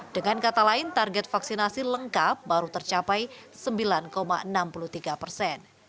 dengan kata lain target vaksinasi lengkap baru tercapai sembilan enam puluh tiga persen